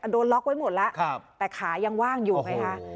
โดนล็อกไว้หมดแล้วแต่ขายังว่างอยู่ไงคะ